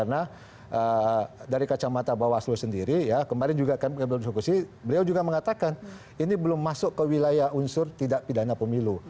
nah dari kacamata bawaslu sendiri kemarin juga kami berdiskusi beliau juga mengatakan ini belum masuk ke wilayah unsur tidak pidana pemilu